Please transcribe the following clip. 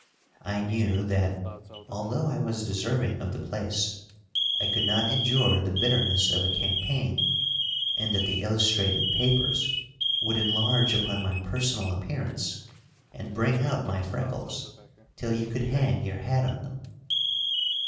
I knew that, although I was deserving of the place, I could not endure the bitterness of a campaign, and that the illustrated papers would enlarge upon my personal appearance and bring out my freckles till you could hang your hat on them.